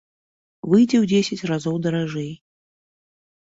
Выйдзе ў дзесяць разоў даражэй.